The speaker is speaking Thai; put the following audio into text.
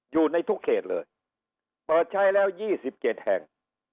อยู่ในทุกเขตเลยเปิดใช้แล้วยี่สิบเจ็ดแห่ง